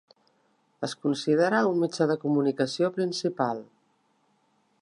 Es considera un mitjà de comunicació principal.